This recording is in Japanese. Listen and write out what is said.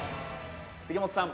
杉本さん